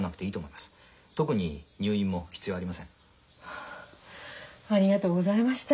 はあありがとうございました。